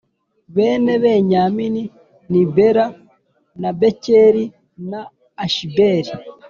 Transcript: Bene Benyamini ni Bela na Bekeri na Ashibeli